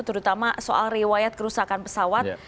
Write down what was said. terutama soal riwayat kerusakan pesawat